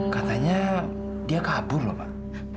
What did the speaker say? katanya dia kabur loh pak